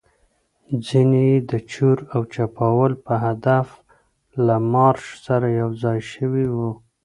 ځینې يې د چور او چپاول په هدف له مارش سره یوځای شوي وو.